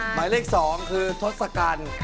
หมายเลข๒คือทศกัณฐ์